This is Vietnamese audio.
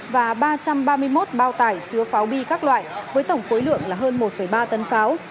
và ba trăm ba mươi một bao tải chứa pháo bi các loại với tổng khối lượng là hơn một ba tấn pháo